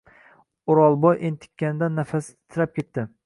O’rolboy entikanidan nafasi titrab ketdi.